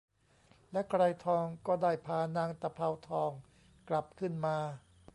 และไกรทองก็ได้พานางตะเภาทองกลับขึ้นมา